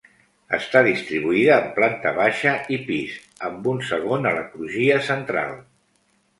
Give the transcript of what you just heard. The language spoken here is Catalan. Està distribuïda en planta baixa i pis, amb un segon a la crugia central.